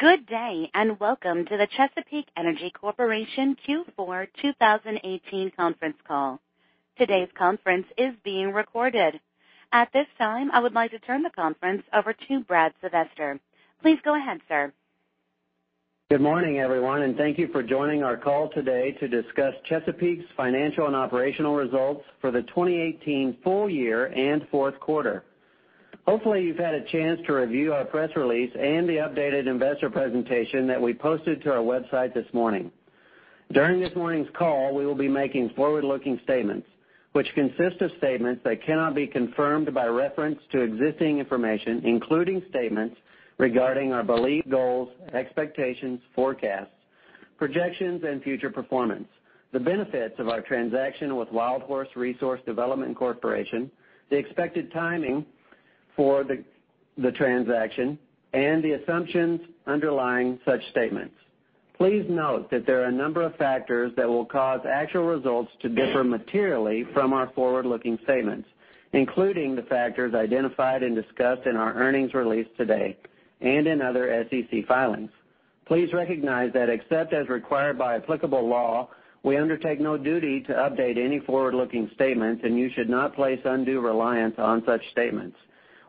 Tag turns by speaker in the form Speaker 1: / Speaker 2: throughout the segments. Speaker 1: Good day, and welcome to the Chesapeake Energy Corporation Q4 2018 conference call. Today's conference is being recorded. At this time, I would like to turn the conference over to Brad Sylvester. Please go ahead, sir.
Speaker 2: Good morning, everyone, and thank you for joining our call today to discuss Chesapeake's financial and operational results for the 2018 full year and fourth quarter. Hopefully, you've had a chance to review our press release and the updated investor presentation that we posted to our website this morning. During this morning's call, we will be making forward-looking statements, which consist of statements that cannot be confirmed by reference to existing information, including statements regarding our believed goals, expectations, forecasts, projections, and future performance, the benefits of our transaction with Wildhorse Resource Development Corporation, the expected timing for the transaction, and the assumptions underlying such statements. Please note that there are a number of factors that will cause actual results to differ materially from our forward-looking statements, including the factors identified and discussed in our earnings release today and in other SEC filings. Please recognize that except as required by applicable law, we undertake no duty to update any forward-looking statements, and you should not place undue reliance on such statements.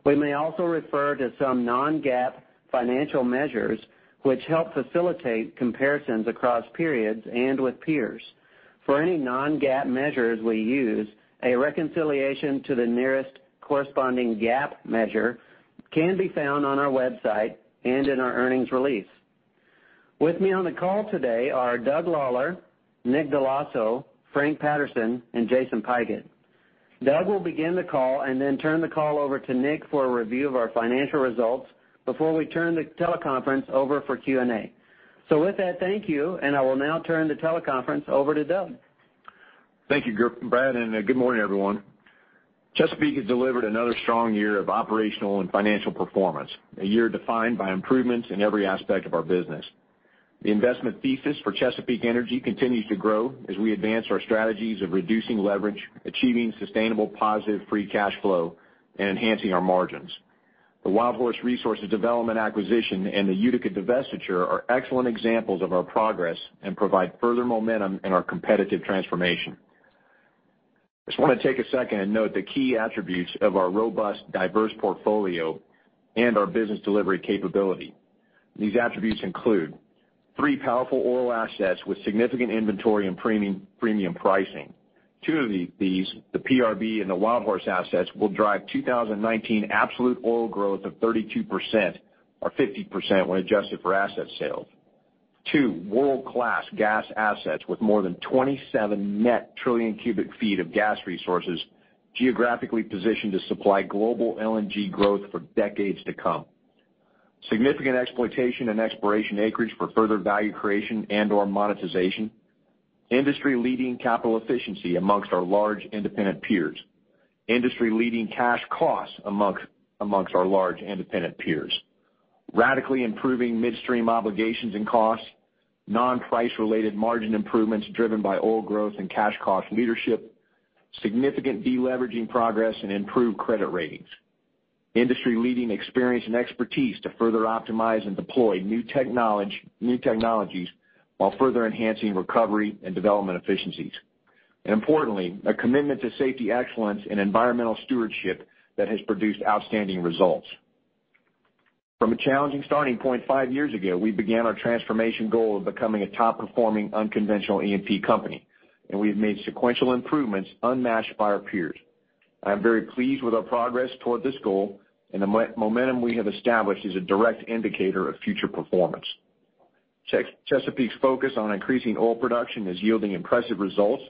Speaker 2: We may also refer to some non-GAAP financial measures which help facilitate comparisons across periods and with peers. For any non-GAAP measures we use, a reconciliation to the nearest corresponding GAAP measure can be found on our website and in our earnings release. With me on the call today are Doug Lawler, Nick Dell'Osso, Frank Patterson, and Jason Pigott. Doug will begin the call and then turn the call over to Nick for a review of our financial results before we turn the teleconference over for Q&A. With that, thank you, and I will now turn the teleconference over to Doug.
Speaker 3: Thank you, Brad, and good morning, everyone. Chesapeake has delivered another strong year of operational and financial performance, a year defined by improvements in every aspect of our business. The investment thesis for Chesapeake Energy continues to grow as we advance our strategies of reducing leverage, achieving sustainable positive free cash flow, and enhancing our margins. The Wildhorse Resource Development acquisition and the Utica divestiture are excellent examples of our progress and provide further momentum in our competitive transformation. I just want to take a second and note the key attributes of our robust, diverse portfolio and our business delivery capability. These attributes include three powerful oil assets with significant inventory and premium pricing. Two of these, the PRB and the Wildhorse assets, will drive 2019 absolute oil growth of 32%, or 50% when adjusted for asset sales. Two world-class gas assets with more than 27 net trillion cubic feet of gas resources geographically positioned to supply global LNG growth for decades to come. Significant exploitation and exploration acreage for further value creation and/or monetization. Industry-leading capital efficiency amongst our large independent peers. Industry-leading cash costs amongst our large independent peers. Radically improving midstream obligations and costs. Non-price related margin improvements driven by oil growth and cash cost leadership. Significant de-leveraging progress and improved credit ratings. Industry-leading experience and expertise to further optimize and deploy new technologies while further enhancing recovery and development efficiencies. Importantly, a commitment to safety excellence and environmental stewardship that has produced outstanding results. From a challenging starting point five years ago, we began our transformation goal of becoming a top-performing unconventional E&P company, and we have made sequential improvements unmatched by our peers. I am very pleased with our progress toward this goal, and the momentum we have established is a direct indicator of future performance. Chesapeake's focus on increasing oil production is yielding impressive results,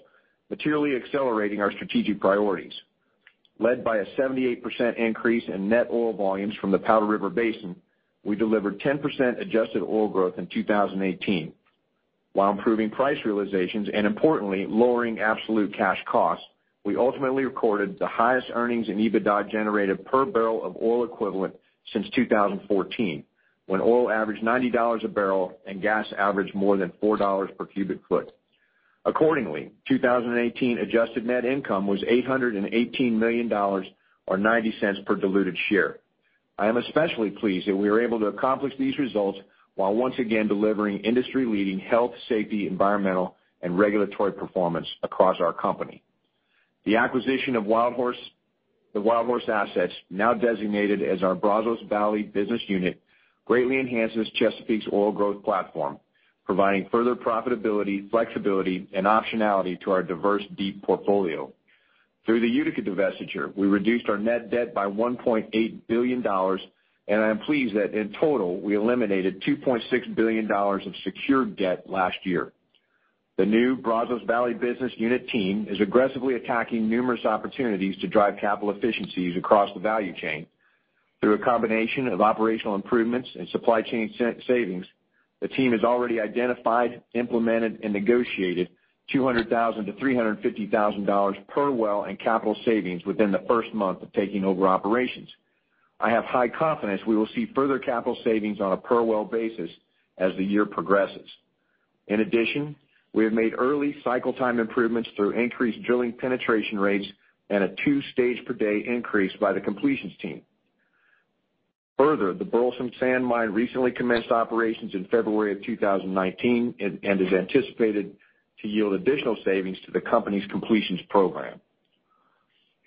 Speaker 3: materially accelerating our strategic priorities. Led by a 78% increase in net oil volumes from the Powder River Basin, we delivered 10% adjusted oil growth in 2018. While improving price realizations and importantly, lowering absolute cash costs, we ultimately recorded the highest earnings and EBITDA generated per barrel of oil equivalent since 2014, when oil averaged $90 a barrel and gas averaged more than $4 per cubic foot. Accordingly, 2018 adjusted net income was $818 million, or $0.90 per diluted share. I am especially pleased that we were able to accomplish these results while once again delivering industry-leading health, safety, environmental, and regulatory performance across our company. The acquisition of the WildHorse assets, now designated as our Brazos Valley business unit, greatly enhances Chesapeake's oil growth platform, providing further profitability, flexibility, and optionality to our diverse deep portfolio. Through the Utica divestiture, we reduced our net debt by $1.8 billion, and I am pleased that in total, we eliminated $2.6 billion of secured debt last year. The new Brazos Valley business unit team is aggressively attacking numerous opportunities to drive capital efficiencies across the value chain. Through a combination of operational improvements and supply chain savings, the team has already identified, implemented, and negotiated $200,000-$350,000 per well in capital savings within the first month of taking over operations. I have high confidence we will see further capital savings on a per-well basis as the year progresses. In addition, we have made early cycle time improvements through increased drilling penetration rates and a 2-stage per day increase by the completions team. Further, the Burleson Sand Mine recently commenced operations in February of 2019 and is anticipated to yield additional savings to the company's completions program.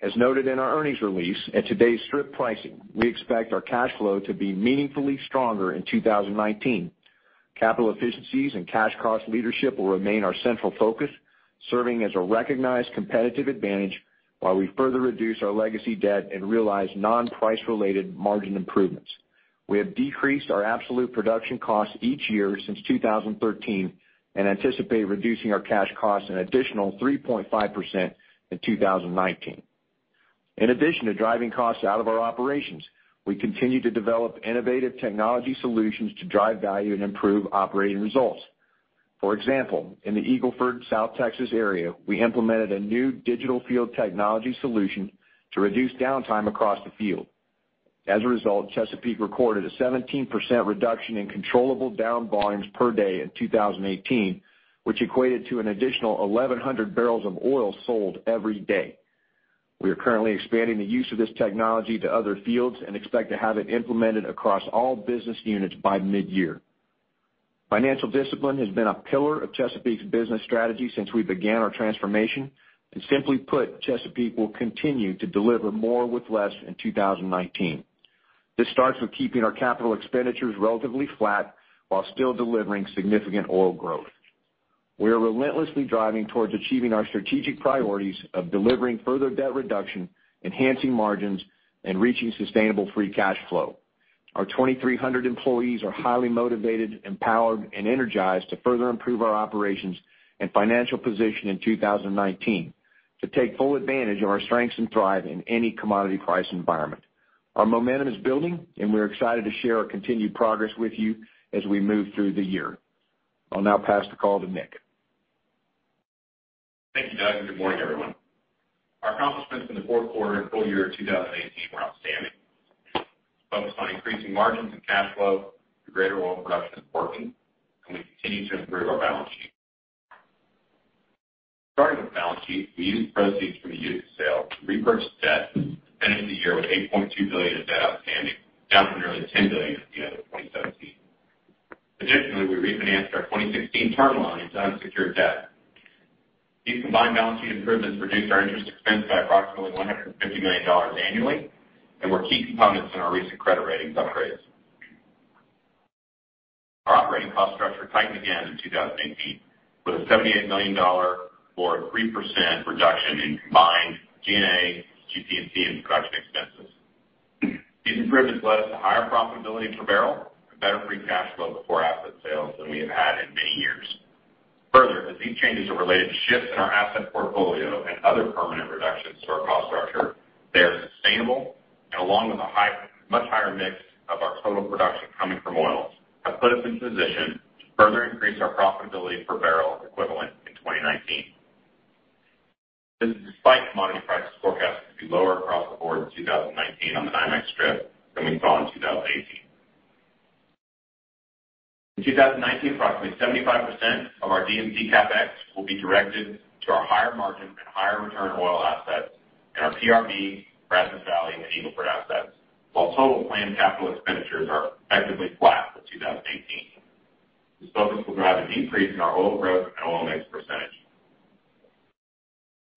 Speaker 3: As noted in our earnings release, at today's strip pricing, we expect our cash flow to be meaningfully stronger in 2019. Capital efficiencies and cash cost leadership will remain our central focus, serving as a recognized competitive advantage while we further reduce our legacy debt and realize non-price related margin improvements. We have decreased our absolute production costs each year since 2013 and anticipate reducing our cash costs an additional 3.5% in 2019. In addition to driving costs out of our operations, we continue to develop innovative technology solutions to drive value and improve operating results. For example, in the Eagle Ford South Texas area, we implemented a new digital field technology solution to reduce downtime across the field. As a result, Chesapeake recorded a 17% reduction in controllable down volumes per day in 2018, which equated to an additional 1,100 barrels of oil sold every day. We are currently expanding the use of this technology to other fields and expect to have it implemented across all business units by mid-year. Financial discipline has been a pillar of Chesapeake's business strategy since we began our transformation. Simply put, Chesapeake will continue to deliver more with less in 2019. This starts with keeping our capital expenditures relatively flat while still delivering significant oil growth. We are relentlessly driving towards achieving our strategic priorities of delivering further debt reduction, enhancing margins, and reaching sustainable free cash flow. Our 2,300 employees are highly motivated, empowered, and energized to further improve our operations and financial position in 2019 to take full advantage of our strengths and thrive in any commodity price environment. Our momentum is building. We're excited to share our continued progress with you as we move through the year. I'll now pass the call to Nick.
Speaker 4: Thank you, Doug. Good morning, everyone. Our accomplishments in the fourth quarter and full year 2018 were outstanding. We focused on increasing margins and cash flow through greater oil production importantly. We continue to improve our balance sheet. Starting with the balance sheet, we used proceeds from the Utica sale to repurchase debt and finished the year with $8.2 billion of debt outstanding, down from nearly $10 billion at the end of 2017. Additionally, we refinanced our 2016 term loans on unsecured debt. These combined balance sheet improvements reduced our interest expense by approximately $150 million annually and were key components in our recent credit ratings upgrades. Our operating cost structure tightened again in 2018 with a $78 million or a 3% reduction in combined G&A, GP&T, and production expenses. These improvements led us to higher profitability per barrel and better free cash flow before asset sales than we have had in many years. Further, as these changes are related to shifts in our asset portfolio and other permanent reductions to our cost structure, they are sustainable and along with a much higher mix of our total production coming from oils, have put us in position to further increase our profitability per barrel equivalent in 2019. This is despite commodity prices forecasted to be lower across the board in 2019 on the NYMEX strip than we saw in 2018. In 2019, approximately 75% of our DM&T CapEx will be directed to our higher margin and higher return oil assets in our PRB, Brazos Valley, and Eagle Ford assets, while total planned capital expenditures are effectively flat for 2018. This focus will drive an increase in our oil growth and oil mix percentage.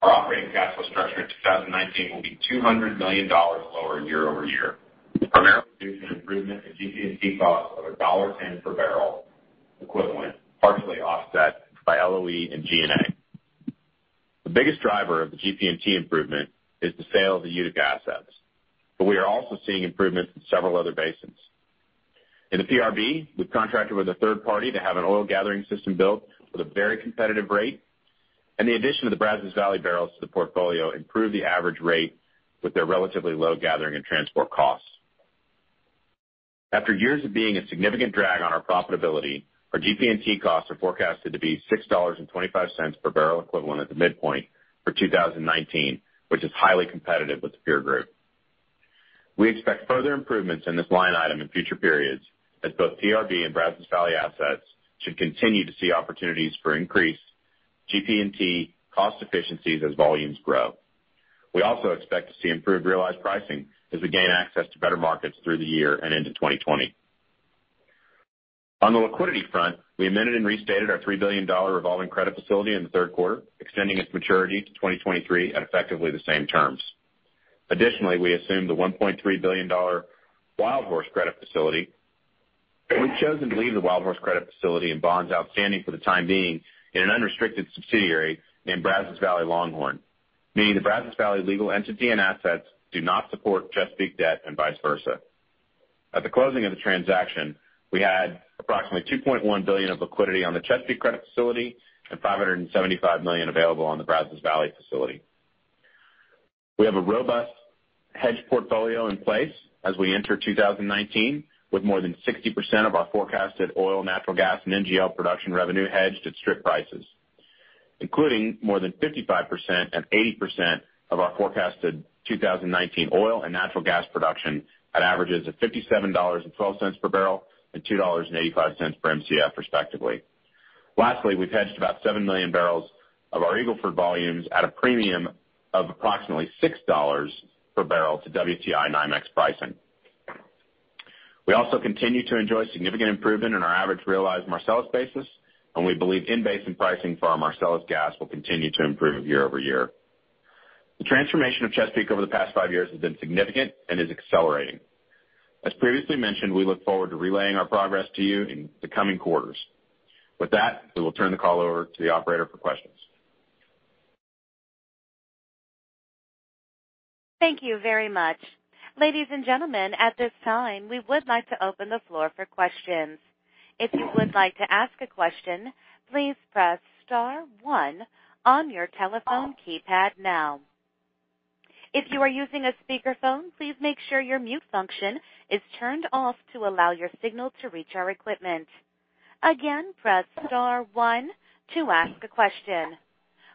Speaker 4: Our operating cash flow structure in 2019 will be $200 million lower year-over-year, primarily due to an improvement in GP&T costs of $1.10 per barrel equivalent, partially offset by LOE and G&A. The biggest driver of the GP&T improvement is the sale of the Utica assets, but we are also seeing improvements in several other basins. In the PRB, we've contracted with a third party to have an oil gathering system built with a very competitive rate, and the addition of the Brazos Valley barrels to the portfolio improved the average rate with their relatively low gathering and transport costs. After years of being a significant drag on our profitability, our GP&T costs are forecasted to be $6.25 per barrel equivalent at the midpoint for 2019, which is highly competitive with the peer group. We expect further improvements in this line item in future periods as both PRB and Brazos Valley assets should continue to see opportunities for increased GP&T cost efficiencies as volumes grow. We also expect to see improved realized pricing as we gain access to better markets through the year and into 2020. On the liquidity front, we amended and restated our $3 billion revolving credit facility in the third quarter, extending its maturity to 2023 at effectively the same terms. Additionally, we assumed the $1.3 billion Wildhorse credit facility. We've chosen to leave the Wildhorse credit facility and bonds outstanding for the time being in an unrestricted subsidiary named Brazos Valley Longhorn, meaning the Brazos Valley legal entity and assets do not support Chesapeake debt and vice versa. At the closing of the transaction, we had approximately $2.1 billion of liquidity on the Chesapeake credit facility and $575 million available on the Brazos Valley facility. We have a robust hedge portfolio in place as we enter 2019 with more than 60% of our forecasted oil, natural gas, and NGL production revenue hedged at strip prices. Including more than 55% and 80% of our forecasted 2019 oil and natural gas production at averages of $57.12 per barrel and $2.85 per Mcf respectively. Lastly, we've hedged about seven million barrels of our Eagle Ford volumes at a premium of approximately $6 per barrel to WTI NYMEX pricing. We also continue to enjoy significant improvement in our average realized Marcellus basis, and we believe in-basin pricing for our Marcellus gas will continue to improve year-over-year. The transformation of Chesapeake over the past five years has been significant and is accelerating. As previously mentioned, we look forward to relaying our progress to you in the coming quarters. With that, we will turn the call over to the operator for questions.
Speaker 1: Thank you very much. Ladies and gentlemen, at this time, we would like to open the floor for questions. If you would like to ask a question, please press star one on your telephone keypad now. If you are using a speakerphone, please make sure your mute function is turned off to allow your signal to reach our equipment. Again, press star one to ask a question.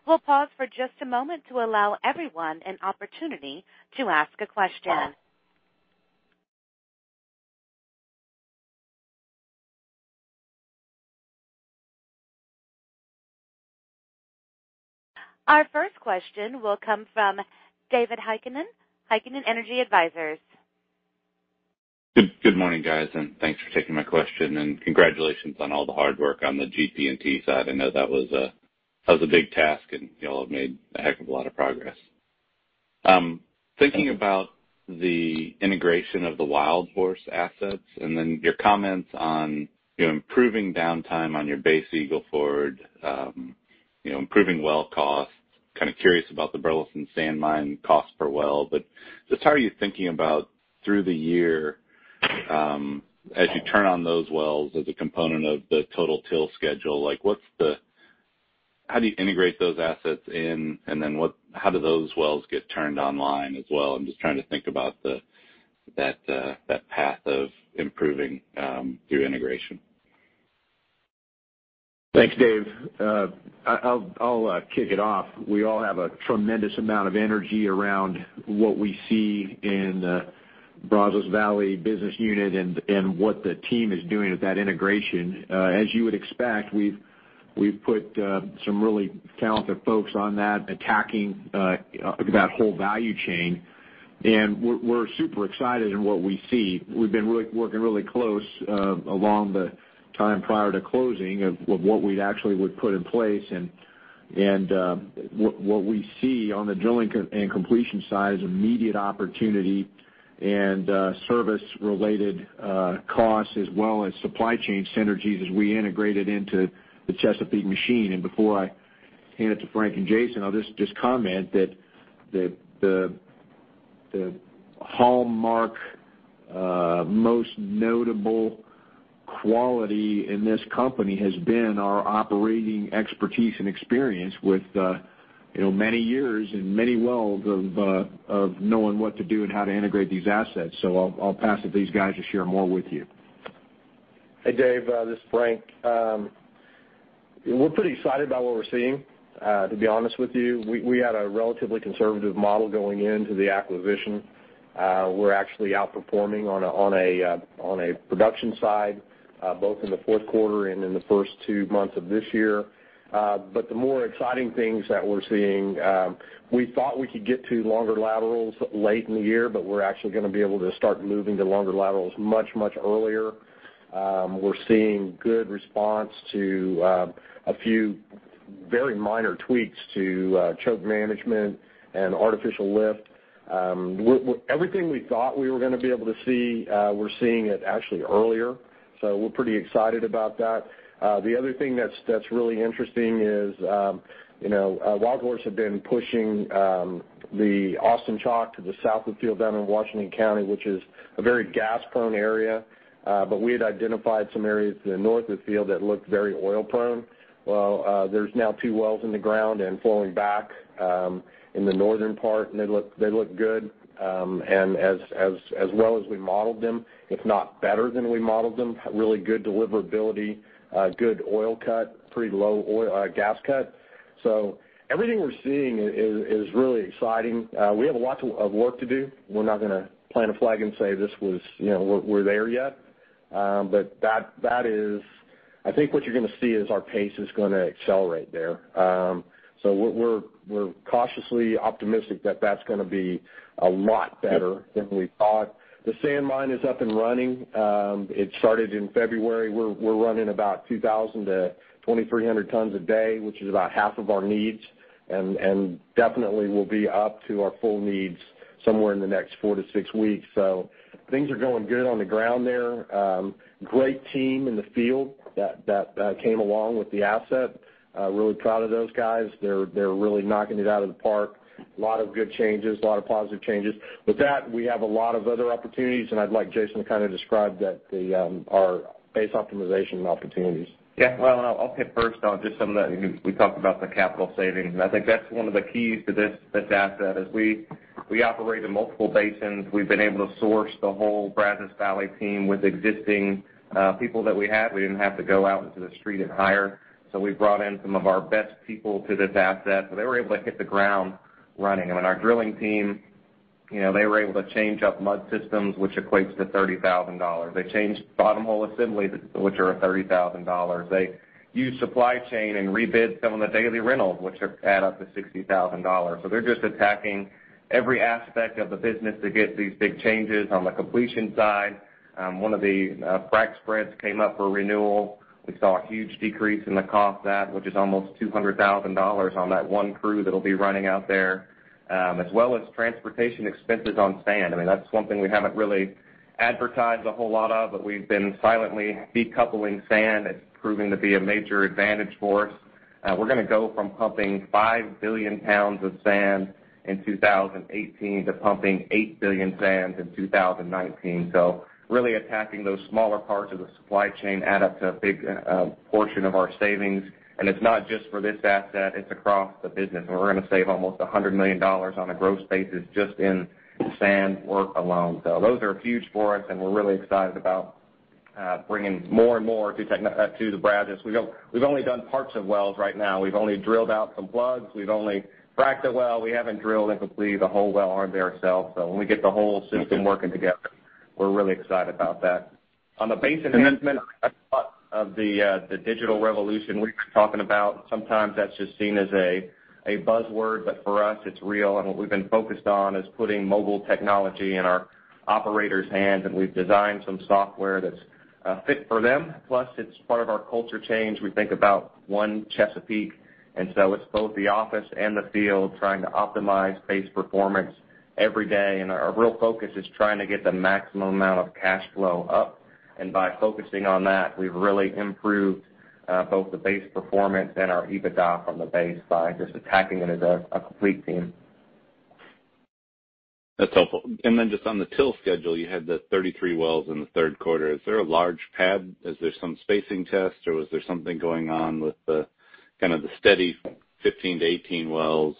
Speaker 1: We'll pause for just a moment to allow everyone an opportunity to ask a question. Our first question will come from David Heikkinen, Heikkinen Energy Advisors.
Speaker 5: Good morning, guys, thanks for taking my question and congratulations on all the hard work on the GP&T side. I know that was a big task, you all have made a heck of a lot of progress. Thinking about the integration of the WildHorse assets, your comments on improving downtime on your base Eagle Ford, improving well costs, kind of curious about the Burleson Sand Mine cost per well, but just how are you thinking about through the year, as you turn on those wells as a component of the total drill schedule, how do you integrate those assets in? How do those wells get turned online as well? I'm just trying to think about that path of improving through integration.
Speaker 3: Thanks, Dave. I'll kick it off. We all have a tremendous amount of energy around what we see in the Brazos Valley Longhorn and what the team is doing with that integration. As you would expect, we've put some really talented folks on that, attacking that whole value chain, we're super excited in what we see. We've been working really close along the time prior to closing of what we'd actually put in place, what we see on the drilling and completion side is immediate opportunity and service-related costs as well as supply chain synergies as we integrate it into the Chesapeake machine.
Speaker 4: Before I hand it to Frank and Jason, I'll just comment that the hallmark, most notable quality in this company has been our operating expertise and experience with many years and many wells of knowing what to do and how to integrate these assets. I'll pass it to these guys to share more with you.
Speaker 6: Hey, David, this is Frank. We're pretty excited about what we're seeing, to be honest with you. We had a relatively conservative model going into the acquisition. We're actually outperforming on a production side, both in the fourth quarter and in the first two months of this year. The more exciting things that we're seeing, we thought we could get to longer laterals late in the year, we're actually going to be able to start moving to longer laterals much earlier. We're seeing good response to a few very minor tweaks to choke management and artificial lift. Everything we thought we were going to be able to see, we're seeing it actually earlier, we're pretty excited about that. The other thing that's really interesting is WildHorse had been pushing the Austin Chalk to the south of Gidding in Washington County, which is a very gas-prone area. We had identified some areas to the north of the field that looked very oil-prone. There's now two wells in the ground and flowing back in the northern part, they look good. As well as we modeled them, if not better than we modeled them, really good deliverability, good oil cut, pretty low gas cut. Everything we're seeing is really exciting. We have lots of work to do. We're not going to plant a flag and say we're there yet. I think what you're going to see is our pace is going to accelerate there. We're cautiously optimistic that that's going to be a lot better than we thought. The Sand Mine is up and running. It started in February. We're running about 2,000 to 2,300 tons a day, which is about half of our needs, and definitely will be up to our full needs somewhere in the next four to six weeks. Things are going good on the ground there. Great team in the field that came along with the asset. Really proud of those guys. They're really knocking it out of the park. A lot of good changes, a lot of positive changes. With that, we have a lot of other opportunities, and I'd like Jason to describe our base optimization opportunities.
Speaker 7: Well, I'll hit first on just some of that. We talked about the capital savings, I think that's one of the keys to this asset, we operate in multiple basins. We've been able to source the whole Brazos Valley team with existing people that we had. We didn't have to go out into the street and hire. We brought in some of our best people to this asset, they were able to hit the ground running. I mean, our drilling team was able to change up mud systems, which equates to $30,000. They changed bottom hole assemblies, which are $30,000. They used supply chain and rebid some of the daily rentals, which add up to $60,000. They're just attacking every aspect of the business to get these big changes. On the completion side, one of the frac spreads came up for renewal. We saw a huge decrease in the cost of that, which is almost $200,000 on that one crew that'll be running out there. As well as transportation expenses on sand. That's one thing we haven't really advertised a whole lot of, but we've been silently decoupling sand. It's proving to be a major advantage for us. We're going to go from pumping 5 billion pounds of sand in 2018 to pumping 8 billion sands in 2019. Really attacking those smaller parts of the supply chain add up to a big portion of our savings. It's not just for this asset, it's across the business, and we're going to save almost $100 million on a gross basis just in sand work alone. Those are huge for us and we're really excited about bringing more and more to the Brazos. We've only done parts of wells right now. We've only drilled out some plugs. We've only fracked a well. We haven't drilled and completed a whole well ourselves. When we get the whole system working together, we're really excited about that. On the base enhancement of the digital revolution we've been talking about, sometimes that's just seen as a buzzword, but for us, it's real. What we've been focused on is putting mobile technology in our operators' hands, and we've designed some software that's a fit for them. Plus, it's part of our culture change. We think about one Chesapeake, it's both the office and the field trying to optimize base performance every day. Our real focus is trying to get the maximum amount of cash flow up. By focusing on that, we've really improved both the base performance and our EBITDA from the base by just attacking it as a complete team.
Speaker 5: That's helpful. Just on the till schedule, you had the 33 wells in the third quarter. Is there a large pad? Is there some spacing test, or was there something going on with the steady 15-18 wells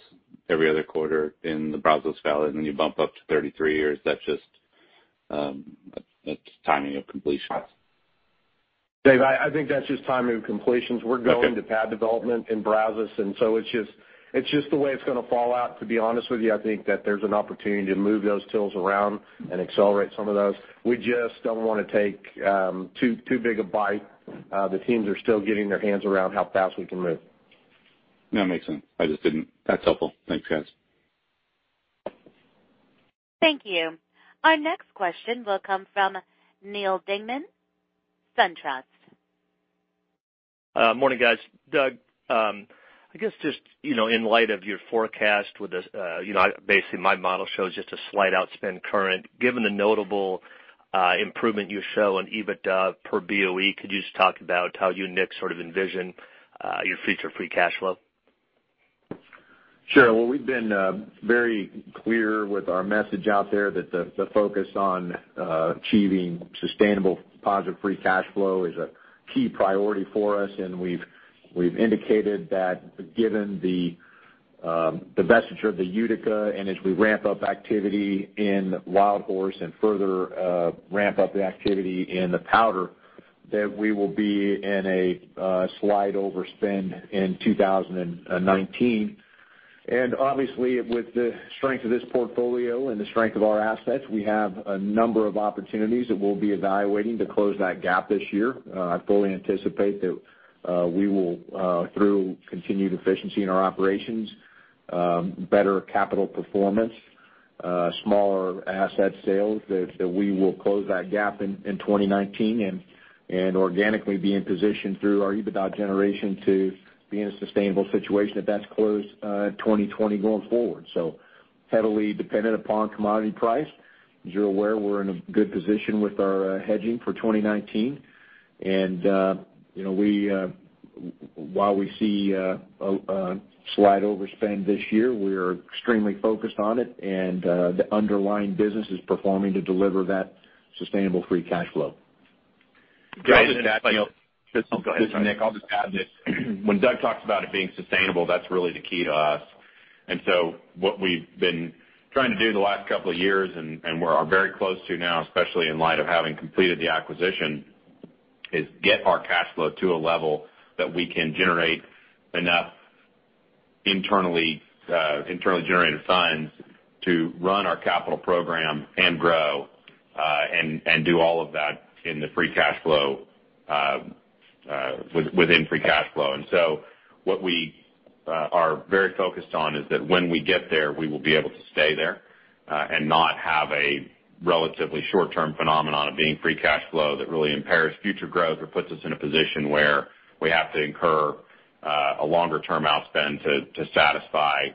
Speaker 5: every other quarter in the Brazos Valley, and then you bump up to 33, or is that just timing of completions?
Speaker 3: Dave, I think that's just timing of completions.
Speaker 5: Okay.
Speaker 3: We're going to pad development in Brazos, it's just the way it's going to fall out. To be honest with you, I think that there's an opportunity to move those tills around and accelerate some of those. We just don't want to take too big a bite. The teams are still getting their hands around how fast we can move.
Speaker 5: No, it makes sense. That's helpful. Thanks, guys.
Speaker 1: Thank you. Our next question will come from Neal Dingmann, SunTrust.
Speaker 8: Morning, guys. Doug, I guess just in light of your forecast with basically my model shows just a slight outspend current. Given the notable improvement you show in EBITDA per BOE, could you just talk about how you, Nick, envision your future free cash flow?
Speaker 3: Sure. Well, we've been very clear with our message out there that the focus on achieving sustainable positive free cash flow is a key priority for us. We've indicated that given the divestiture of the Utica, and as we ramp up activity in WildHorse and further ramp up the activity in the Powder, that we will be in a slight overspend in 2019. Obviously, with the strength of this portfolio and the strength of our assets, we have a number of opportunities that we'll be evaluating to close that gap this year. I fully anticipate that we will, through continued efficiency in our operations, better capital performance, smaller asset sales, that we will close that gap in 2019 and organically be in position through our EBITDA generation to be in a sustainable situation that's closed 2020 going forward. Heavily dependent upon commodity price. As you're aware, we're in a good position with our hedging for 2019. While we see a slight overspend this year, we're extremely focused on it and the underlying business is performing to deliver that sustainable free cash flow.
Speaker 4: This is Nick. I'll just add this. When Doug talks about it being sustainable, that's really the key to us. What we've been trying to do the last couple of years, and we are very close to now, especially in light of having completed the acquisition, is get our cash flow to a level that we can generate enough internally generated funds to run our capital program and grow, and do all of that within free cash flow. What we are very focused on is that when we get there, we will be able to stay there, and not have a relatively short-term phenomenon of being free cash flow that really impairs future growth or puts us in a position where we have to incur a longer-term outspend to satisfy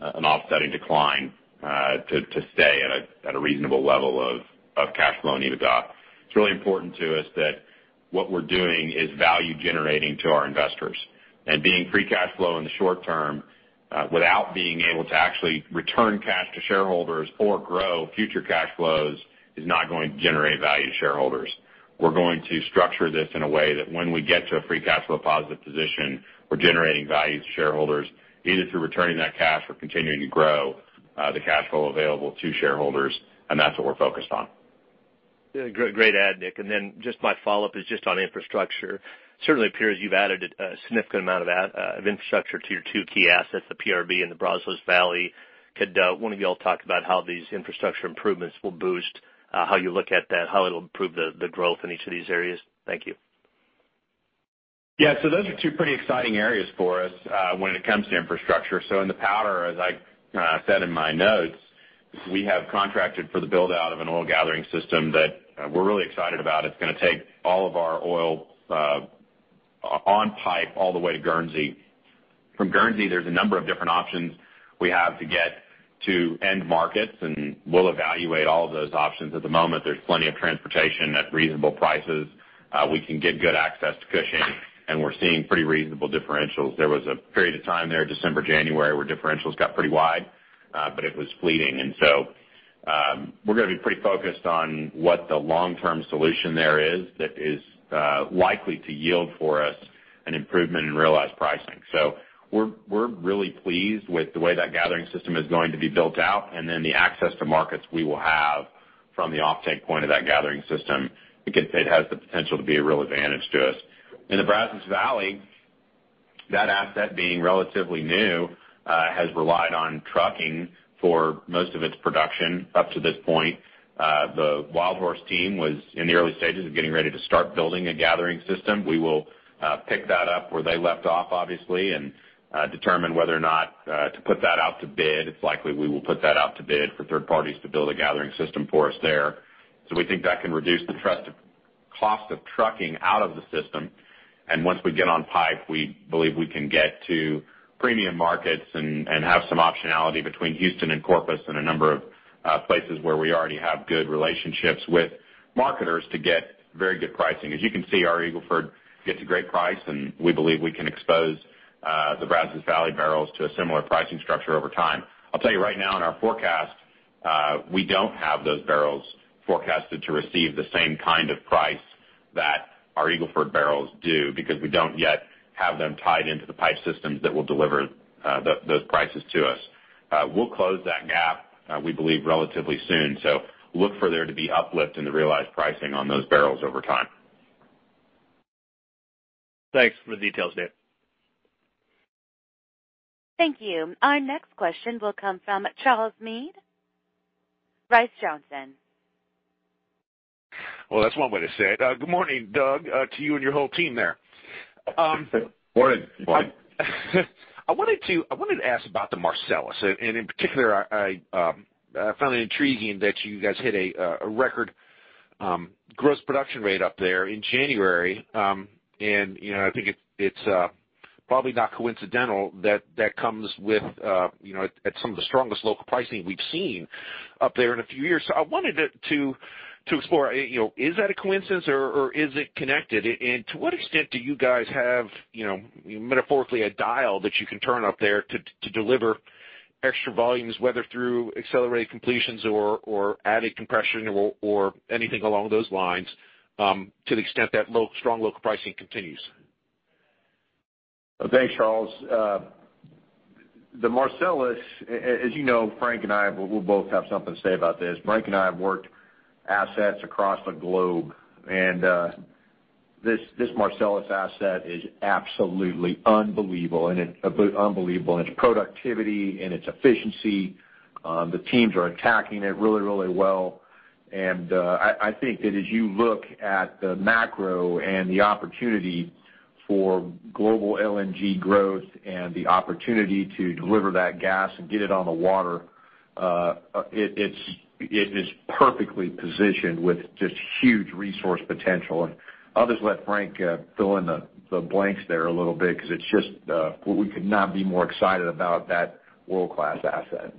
Speaker 4: an offsetting decline to stay at a reasonable level of cash flow and EBITDA. It's really important to us that what we're doing is value-generating to our investors. Being free cash flow in the short term without being able to actually return cash to shareholders or grow future cash flows is not going to generate value to shareholders. We're going to structure this in a way that when we get to a free cash flow positive position, we're generating value to shareholders, either through returning that cash or continuing to grow the cash flow available to shareholders, that's what we're focused on.
Speaker 8: Great add, Nick. Then just my follow-up is just on infrastructure. Certainly appears you've added a significant amount of infrastructure to your two key assets, the PRB and the Brazos Valley. Could one of you all talk about how these infrastructure improvements will boost how you look at that, how it'll improve the growth in each of these areas? Thank you.
Speaker 4: Yeah. Those are two pretty exciting areas for us, when it comes to infrastructure. In the Powder, as I said in my notes, we have contracted for the build-out of an oil gathering system that we're really excited about. It's going to take all of our oil on pipe all the way to Guernsey. From Guernsey, there's a number of different options we have to get to end markets, we'll evaluate all of those options. At the moment, there's plenty of transportation at reasonable prices. We can get good access to Cushing, we're seeing pretty reasonable differentials. There was a period of time there, December, January, where differentials got pretty wide, but it was fleeting. We're going to be pretty focused on what the long-term solution there is that is likely to yield for us an improvement in realized pricing. We're really pleased with the way that gathering system is going to be built out, then the access to markets we will have from the offtake point of that gathering system. It has the potential to be a real advantage to us. In the Brazos Valley, that asset being relatively new, has relied on trucking for most of its production up to this point. The WildHorse team was in the early stages of getting ready to start building a gathering system. We will pick that up where they left off, obviously, determine whether or not to put that out to bid. It's likely we will put that out to bid for third parties to build a gathering system for us there. We think that can reduce the cost of trucking out of the system. Once we get on pipe, we believe we can get to premium markets and have some optionality between Houston and Corpus and a number of places where we already have good relationships with marketers to get very good pricing. As you can see, our Eagle Ford gets a great price, and we believe we can expose the Brazos Valley barrels to a similar pricing structure over time. I'll tell you right now in our forecast, we don't have those barrels forecasted to receive the same kind of price that our Eagle Ford barrels do because we don't yet have them tied into the pipe systems that will deliver those prices to us. We'll close that gap, we believe, relatively soon. Look for there to be uplift in the realized pricing on those barrels over time.
Speaker 8: Thanks for the details, Nick.
Speaker 1: Thank you. Our next question will come from Charles Meade, Johnson Rice.
Speaker 9: That's one way to say it. Good morning, Doug, to you and your whole team there.
Speaker 4: Morning.
Speaker 9: I wanted to ask about the Marcellus. In particular, I found it intriguing that you guys hit a record gross production rate up there in January. I think it's probably not coincidental that that comes with at some of the strongest local pricing we've seen up there in a few years. I wanted to explore, is that a coincidence or is it connected? To what extent do you guys have metaphorically a dial that you can turn up there to deliver extra volumes, whether through accelerated completions or added compression or anything along those lines, to the extent that strong local pricing continues?
Speaker 3: Thanks, Charles. The Marcellus, as you know, Frank and I, we'll both have something to say about this. Frank and I have worked assets across the globe. This Marcellus asset is absolutely unbelievable in its productivity and its efficiency. The teams are attacking it really, really well. I think that as you look at the macro and the opportunity for global LNG growth and the opportunity to deliver that gas and get it on the water, it is perfectly positioned with just huge resource potential. I'll just let Frank fill in the blanks there a little bit because we could not be more excited about that world-class asset.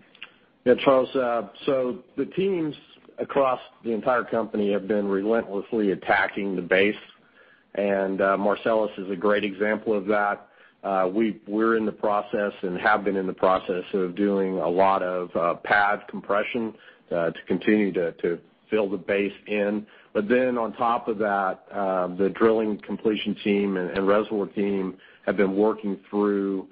Speaker 6: Yeah, Charles. The teams across the entire company have been relentlessly attacking the base. Marcellus is a great example of that. We're in the process and have been in the process of doing a lot of pad compression to continue to fill the base in. On top of that, the drilling completion team and reservoir team have been working through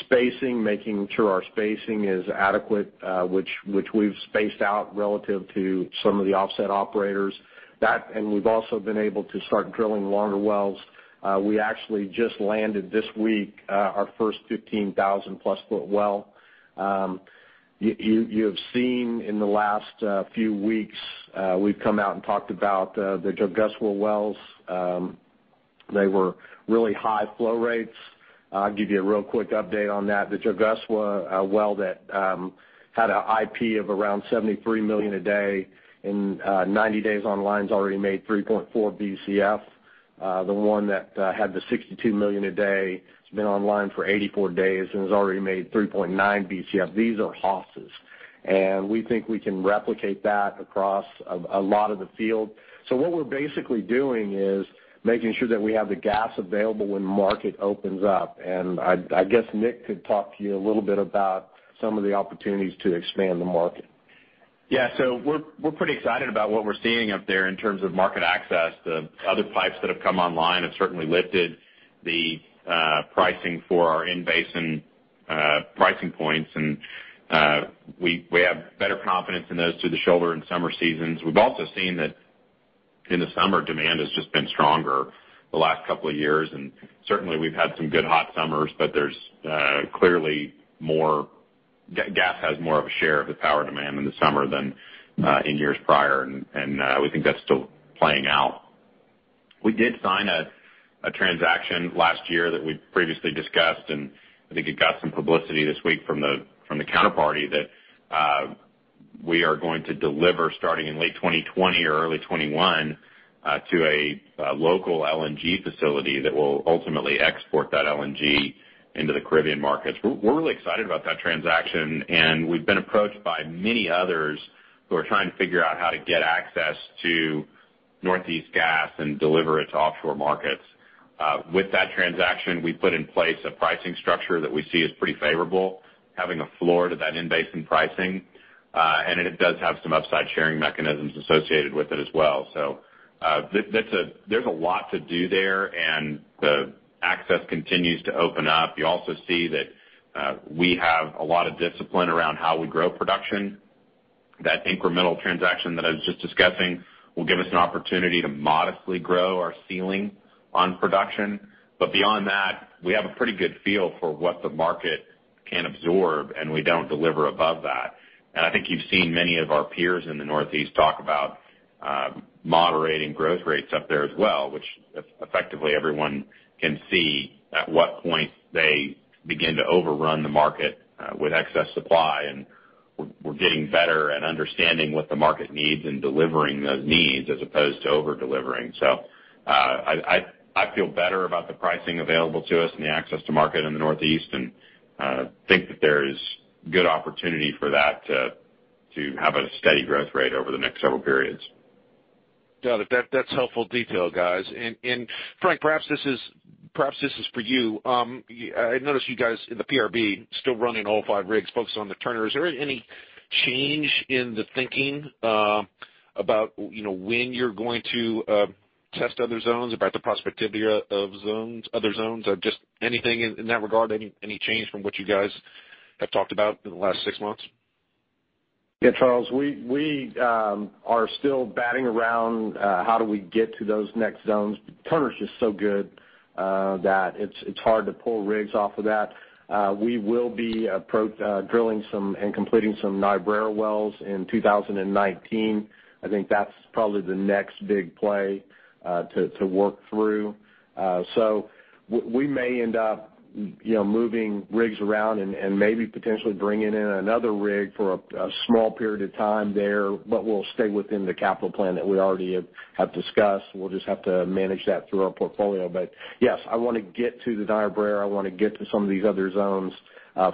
Speaker 6: spacing, making sure our spacing is adequate, which we've spaced out relative to some of the offset operators. We've also been able to start drilling longer wells. We actually just landed this week our first 15,000-plus foot well. You have seen in the last few weeks, we've come out and talked about the Jokgosowa wells. They were really high flow rates. I'll give you a real quick update on that. The Jokgosowa well that had an IP of around 73 million a day and 90 days online has already made 3.4 Bcf. The one that had the 62 million a day has been online for 84 days and has already made 3.9 Bcf. These are hosses. We think we can replicate that across a lot of the field. What we're basically doing is making sure that we have the gas available when the market opens up. I guess Nick could talk to you a little bit about some of the opportunities to expand the market.
Speaker 4: We're pretty excited about what we're seeing up there in terms of market access. The other pipes that have come online have certainly lifted the pricing for our in-basin pricing points, and we have better confidence in those through the shoulder and summer seasons. We've also seen that in the summer, demand has just been stronger the last couple of years. Certainly we've had some good hot summers, but there's clearly gas has more of a share of the power demand in the summer than in years prior. We think that's still playing out. We did sign a transaction last year that we previously discussed. I think it got some publicity this week from the counterparty that we are going to deliver starting in late 2020 or early 2021 to a local LNG facility that will ultimately export that LNG into the Caribbean markets. We're really excited about that transaction. We've been approached by many others who are trying to figure out how to get access to Northeast gas and deliver it to offshore markets. With that transaction, we put in place a pricing structure that we see is pretty favorable, having a floor to that in-basin pricing. It does have some upside sharing mechanisms associated with it as well. There's a lot to do there. The access continues to open up. You also see that we have a lot of discipline around how we grow production. That incremental transaction that I was just discussing will give us an opportunity to modestly grow our ceiling on production. Beyond that, we have a pretty good feel for what the market can absorb, and we don't deliver above that. I think you've seen many of our peers in the Northeast talk about moderating growth rates up there as well, which effectively everyone can see at what point they begin to overrun the market with excess supply. We're getting better at understanding what the market needs and delivering those needs as opposed to over-delivering. I feel better about the pricing available to us and the access to market in the Northeast. I think that there is good opportunity for that to have a steady growth rate over the next several periods.
Speaker 9: Got it. That's helpful detail, guys. Frank, perhaps this is for you. I noticed you guys in the PRB still running all five rigs focused on the Turner. Is there any change in the thinking about when you're going to test other zones, about the prospectivity of other zones, or just anything in that regard? Any change from what you guys have talked about in the last six months?
Speaker 6: Yeah, Charles, we are still batting around how do we get to those next zones. Turner's just so good that it's hard to pull rigs off of that. We will be drilling some and completing some Niobrara wells in 2019. I think that's probably the next big play to work through. We may end up moving rigs around and maybe potentially bringing in another rig for a small period of time there, but we'll stay within the capital plan that we already have discussed. We'll just have to manage that through our portfolio. Yes, I want to get to the Niobrara. I want to get to some of these other zones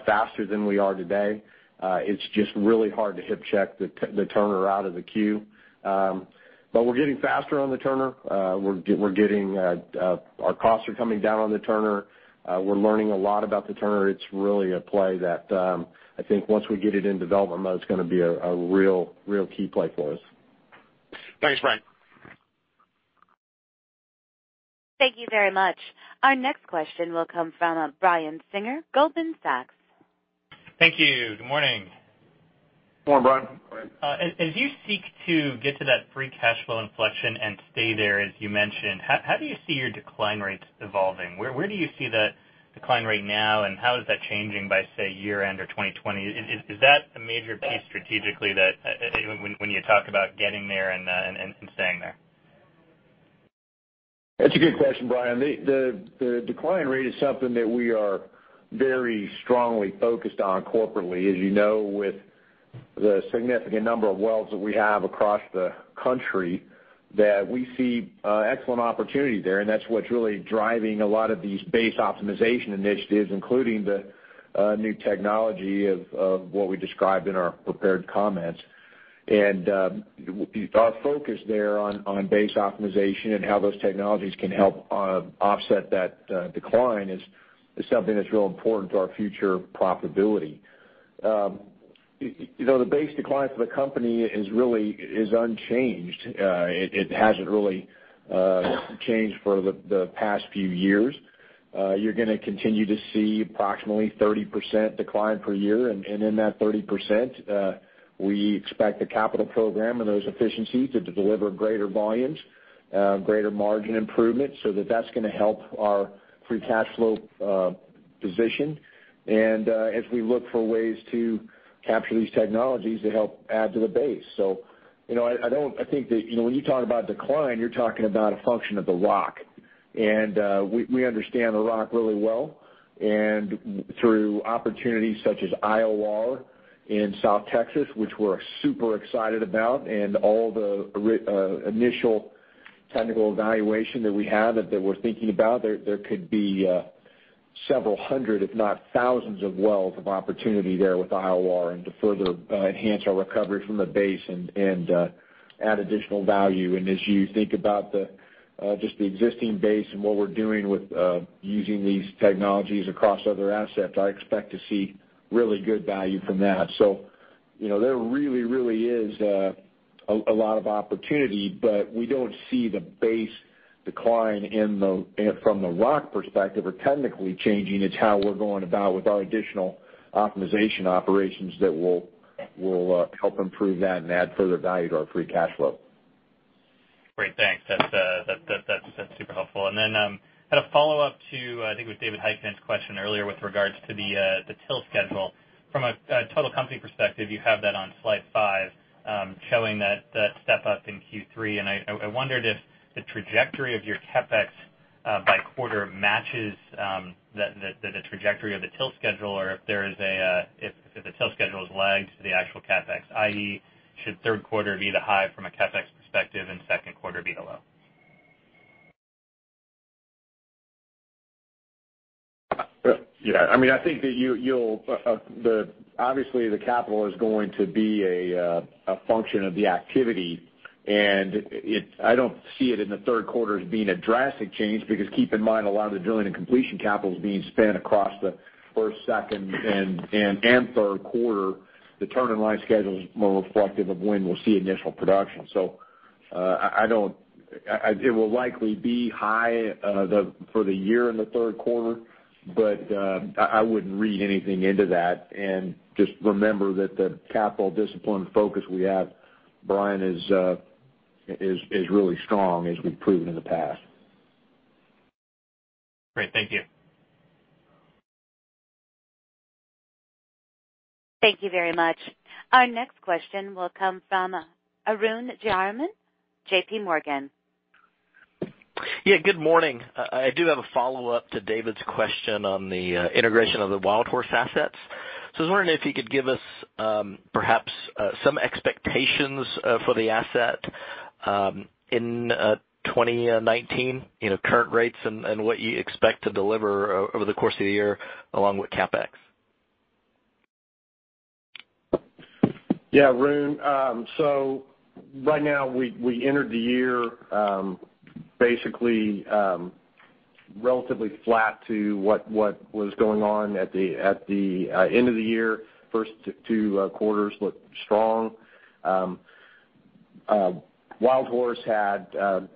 Speaker 6: faster than we are today. It's just really hard to hip check the Turner out of the queue. We're getting faster on the Turner. Our costs are coming down on the Turner. We're learning a lot about the Turner. It's really a play that I think once we get it in development mode, it's going to be a real key play for us.
Speaker 9: Thanks, Frank.
Speaker 1: Thank you very much. Our next question will come from Brian Singer, Goldman Sachs.
Speaker 10: Thank you. Good morning.
Speaker 6: Good morning, Brian.
Speaker 10: Good morning. As you seek to get to that free cash flow inflection and stay there, as you mentioned, how do you see your decline rates evolving? Where do you see the decline rate now, and how is that changing by, say, year-end or 2020? Is that a major piece strategically when you talk about getting there and staying there?
Speaker 3: That's a good question, Brian. The decline rate is something that we are very strongly focused on corporately. As you know, with the significant number of wells that we have across the country, that we see excellent opportunity there, and that's what's really driving a lot of these base optimization initiatives, including the new technology of what we described in our prepared comments. Our focus there on base optimization and how those technologies can help offset that decline is something that's real important to our future profitability. The base decline for the company is unchanged. It hasn't really changed for the past few years. You're going to continue to see approximately 30% decline per year. In that 30%, we expect the capital program and those efficiencies to deliver greater volumes, greater margin improvement, so that that's going to help our free cash flow position.
Speaker 6: As we look for ways to capture these technologies to help add to the base. I think that when you talk about decline, you're talking about a function of the rock. We understand the rock really well. Through opportunities such as IOR in South Texas, which we're super excited about, and all the initial technical evaluation that we have that we're thinking about, there could be several hundred, if not thousands of wells of opportunity there with IOR and to further enhance our recovery from the base and add additional value. As you think about just the existing base and what we're doing with using these technologies across other assets, I expect to see really good value from that. There really is a lot of opportunity, but we don't see the base decline from the rock perspective or technically changing. It's how we're going about with our additional optimization operations that will help improve that and add further value to our free cash flow.
Speaker 10: Great. Thanks. That's super helpful. Then had a follow-up to, I think it was David Heikkinen's question earlier with regards to the tilt schedule. From a total company perspective, you have that on slide five, showing that step-up in Q3, I wondered if the trajectory of your CapEx by quarter matches the trajectory of the tilt schedule, or if the tilt schedule has lagged to the actual CapEx, i.e., should third quarter be the high from a CapEx perspective and second quarter be low?
Speaker 3: I think that obviously the capital is going to be a function of the activity, and I don't see it in the third quarter as being a drastic change, because keep in mind, a lot of the drilling and completion capital is being spent across the first, second, and third quarter. The turn-in-line schedule is more reflective of when we'll see initial production. It will likely be high for the year in the third quarter, but I wouldn't read anything into that. Just remember that the capital discipline focus we have, Brian, is really strong as we've proven in the past.
Speaker 10: Great. Thank you.
Speaker 1: Thank you very much. Our next question will come from Arun Jayaram, JPMorgan.
Speaker 11: Yeah. Good morning. I do have a follow-up to David's question on the integration of the WildHorse assets. I was wondering if you could give us perhaps some expectations for the asset in 2019, current rates and what you expect to deliver over the course of the year along with CapEx.
Speaker 6: Arun. Right now, we entered the year basically relatively flat to what was going on at the end of the year. First two quarters looked strong. WildHorse had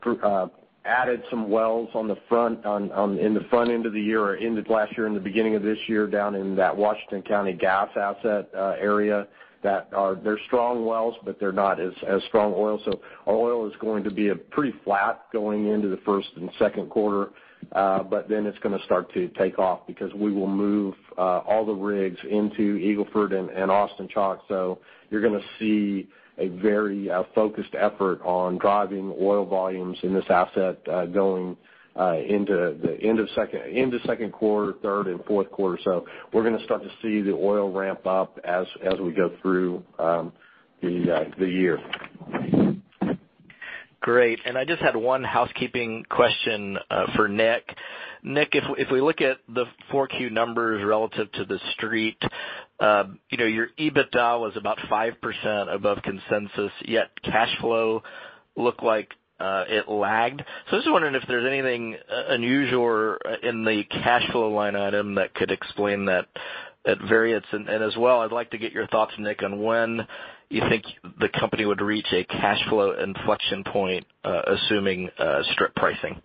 Speaker 6: added some wells in the front end of the year, or ended last year and the beginning of this year, down in that Washington County Gas asset area. They're strong wells, but they're not as strong oil. Our oil is going to be pretty flat going into the first and second quarter. It's going to start to take off because we will move all the rigs into Eagle Ford and Austin Chalk. You're going to see a very focused effort on driving oil volumes in this asset going into second quarter, third, and fourth quarter. We're going to start to see the oil ramp up as we go through the year.
Speaker 11: Great. I just had one housekeeping question for Nick. Nick, if we look at the 4Q numbers relative to the street, your EBITDA was about 5% above consensus, yet cash flow looked like it lagged. I was just wondering if there's anything unusual in the cash flow line item that could explain that variance. As well, I'd like to get your thoughts, Nick, on when you think the company would reach a cash flow inflection point, assuming strip pricing.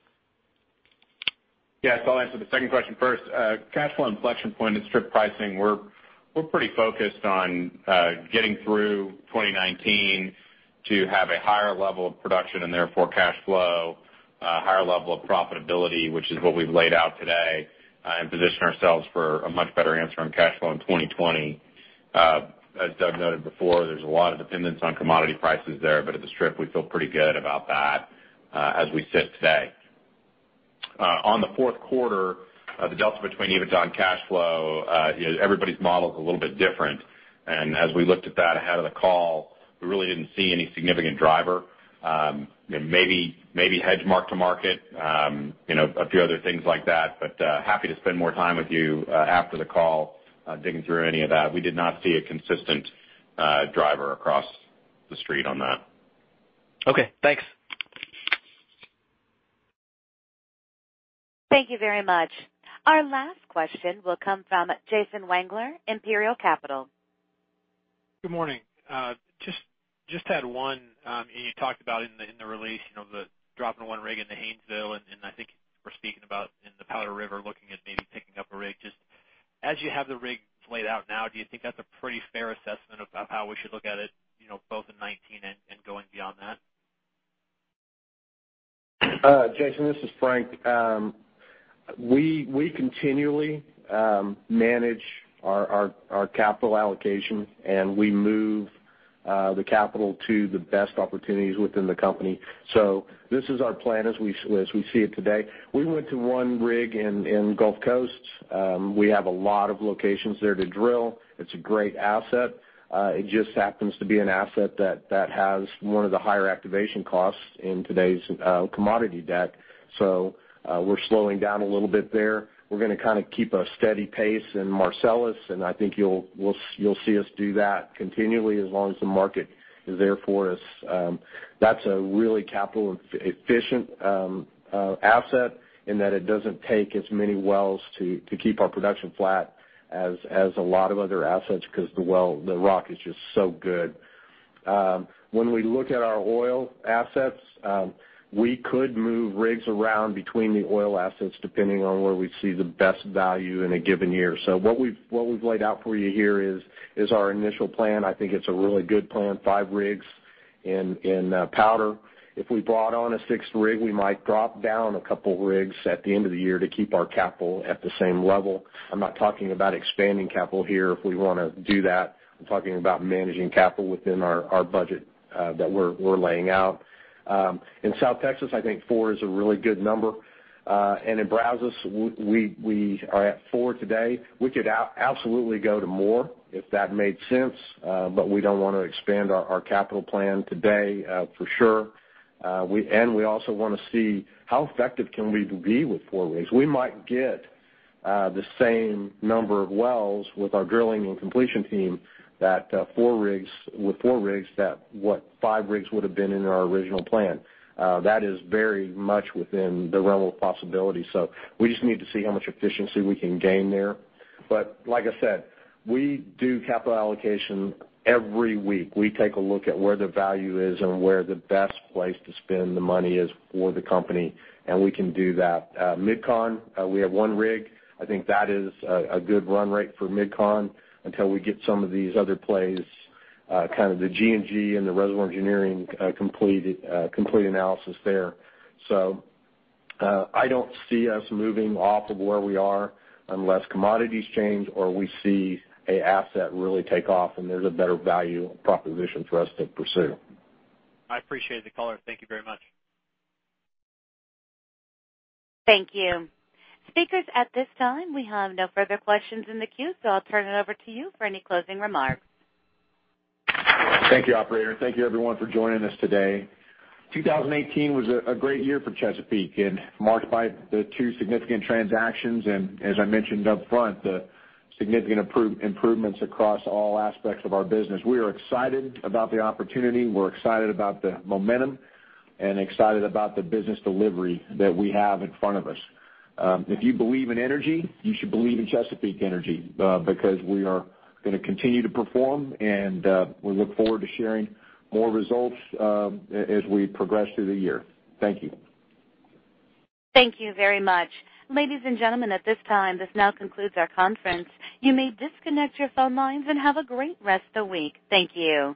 Speaker 4: I'll answer the second question first. Cash flow inflection point and strip pricing, we're pretty focused on getting through 2019 to have a higher level of production and therefore cash flow, a higher level of profitability, which is what we've laid out today, and position ourselves for a much better answer on cash flow in 2020. As Doug noted before, there's a lot of dependence on commodity prices there, but at the strip, we feel pretty good about that as we sit today. On the fourth quarter, the delta between EBITDA and cash flow, everybody's model is a little bit different, and as we looked at that ahead of the call, we really didn't see any significant driver. Maybe hedge mark-to-market, a few other things like that, but happy to spend more time with you after the call digging through any of that. We did not see a consistent driver across the street on that.
Speaker 11: Okay, thanks.
Speaker 1: Thank you very much. Our last question will come from Jason Wangler, Imperial Capital.
Speaker 12: Good morning. Just had one. You talked about in the release, the dropping one rig in the Haynesville, and I think we're speaking about in the Powder River, looking at maybe picking up a rig. Just as you have the rigs laid out now, do you think that's a pretty fair assessment of how we should look at it, both in 2019 and going beyond that?
Speaker 6: Jason, this is Frank. We continually manage our capital allocation, and we move the capital to the best opportunities within the company. This is our plan as we see it today. We went to one rig in Gulf Coast. We have a lot of locations there to drill. It's a great asset. It just happens to be an asset that has one of the higher activation costs in today's commodity deck. We're slowing down a little bit there. We're going to keep a steady pace in Marcellus, and I think you'll see us do that continually as long as the market is there for us. That's a really capital-efficient asset in that it doesn't take as many wells to keep our production flat as a lot of other assets because the rock is just so good. When we look at our oil assets, we could move rigs around between the oil assets depending on where we see the best value in a given year. What we've laid out for you here is our initial plan. I think it's a really good plan, 5 rigs in Powder. If we brought on a sixth rig, we might drop down a couple rigs at the end of the year to keep our capital at the same level. I'm not talking about expanding capital here, if we want to do that. I'm talking about managing capital within our budget that we're laying out. In South Texas, I think 4 is a really good number. In Brazos, we are at 4 today. We could absolutely go to more if that made sense. We don't want to expand our capital plan today, for sure. We also want to see how effective can we be with 4 rigs. We might get the same number of wells with our drilling and completion team with 4 rigs, that what 5 rigs would have been in our original plan. That is very much within the realm of possibility. We just need to see how much efficiency we can gain there. Like I said, we do capital allocation every week. We take a look at where the value is and where the best place to spend the money is for the company, and we can do that. MidCon, we have 1 rig. I think that is a good run rate for MidCon until we get some of these other plays, kind of the G&G and the reservoir engineering complete analysis there. I don't see us moving off of where we are unless commodities change or we see an asset really take off and there's a better value proposition for us to pursue.
Speaker 12: I appreciate the color. Thank you very much.
Speaker 1: Thank you. Speakers, at this time, we have no further questions in the queue, I'll turn it over to you for any closing remarks.
Speaker 3: Thank you, operator. Thank you everyone for joining us today. 2018 was a great year for Chesapeake and marked by the two significant transactions. As I mentioned up front, the significant improvements across all aspects of our business. We are excited about the opportunity, we're excited about the momentum, and excited about the business delivery that we have in front of us. If you believe in energy, you should believe in Chesapeake Energy, because we are gonna continue to perform. We look forward to sharing more results as we progress through the year. Thank you.
Speaker 1: Thank you very much. Ladies and gentlemen, at this time, this now concludes our conference. You may disconnect your phone lines and have a great rest of the week. Thank you.